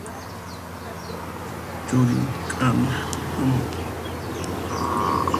Churin k'amiq hamun.